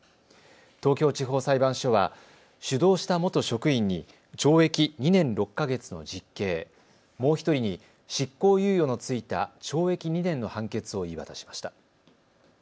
東京地方裁判所は主導した元職員に懲役２年６か月の実刑、もう１人に執行猶予の付いた懲役２年の判決を言い渡しました。